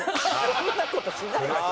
そんな事しないですよ。